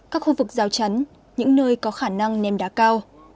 các khu vực giao chắn những nơi có khả năng ném đá cao